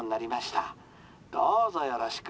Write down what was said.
どうぞよろしく」。